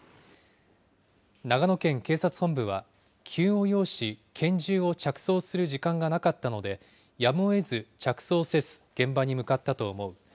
長野県警察本部は、急を要し、拳銃を着装する時間がなかったので、やむをえず着装せず、現場に向かったと思う。